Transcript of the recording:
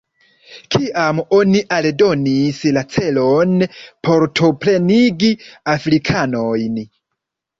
Kiam oni aldonis la celon partoprenigi afrikanojn?